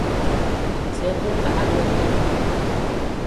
ସେ ତ ତାହା ଖୋଜୁଥିଲା ।